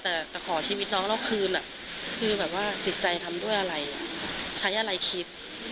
แต่จะขอชีวิตน้องเราคืนคือแบบว่าจิตใจทำด้วยอะไรใช้อะไรคิด